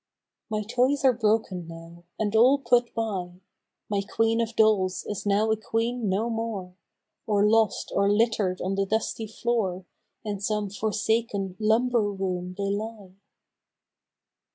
I. My toys are broken now, and all put by, — My Queen of Dolls is now a Queen no more, Or lost, or litter'd on the dusty floor In some forsaken lumber room they lie.